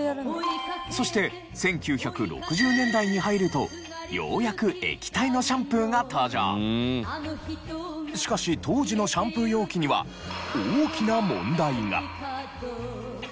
そして１９６０年代に入るとようやくしかし当時のシャンプー容器には大きな問題が。